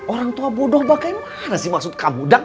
orang tua bodoh bagaimana sih maksud kamu